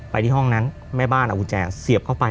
ที่ห้องนั้นแม่บ้านเอากุญแจเสียบเข้าไป